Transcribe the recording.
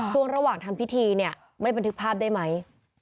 ช่วงระหว่างทำพิธีเนี่ยไม่บันทึกภาพได้ไหม